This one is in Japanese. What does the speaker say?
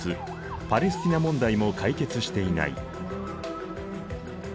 パレスティナ問題も解決していない。